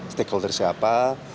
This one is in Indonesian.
stakeholder saya apa